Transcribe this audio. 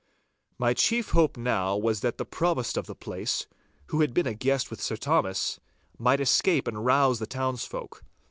My chief hope now was that the Provost of the place, who had been a guest with Sir Thomas, might escape and rouse the townsfolk.